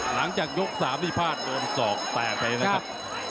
หลังจากยก๓มีพลาดโดน๒แตกไปนะครับ